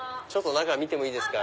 中見てもいいですか？